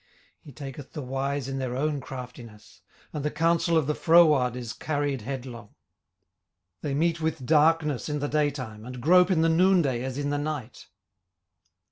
18:005:013 He taketh the wise in their own craftiness: and the counsel of the froward is carried headlong. 18:005:014 They meet with darkness in the day time, and grope in the noonday as in the night.